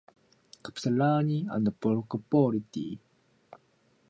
He said Get out of my room, now!